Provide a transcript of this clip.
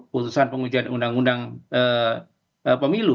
dimengerti proses pemilu f realm akan tiba di awal proses pemilu bahwa proses pemilu